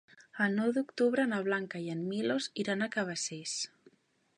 El nou d'octubre na Blanca i en Milos iran a Cabacés.